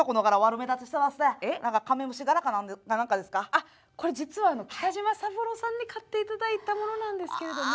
あっこれ実は北島三郎さんに買っていただいたものなんですけれども。